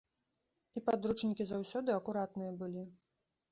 І падручнікі заўсёды акуратныя былі.